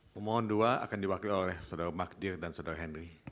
pemohon dua akan diwakil oleh saudara magdir dan saudara henry